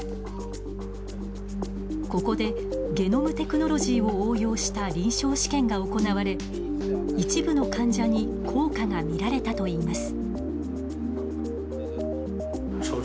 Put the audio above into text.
ここでゲノムテクノロジーを応用した臨床試験が行われ一部の患者に効果が見られたといいます。